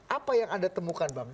apa yang anda temukan bang